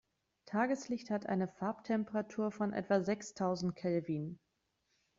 Tageslicht hat eine Farbtemperatur von etwa sechstausend Kelvin.